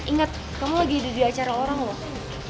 ingat kamu lagi di acara orang loh